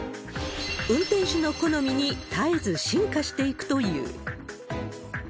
運転手の好みに絶えず進化していくという。